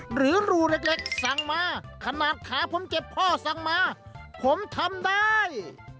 หรือรูเล็กสั่งมาขนาดขาผมเจ็บพ่อสั่งมาผมทำได้